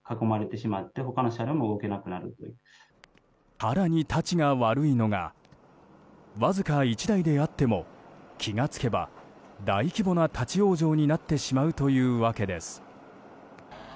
更に、たちが悪いのがわずか１台であっても気が付けば、大規模な立ち往生になってしまうというわけです。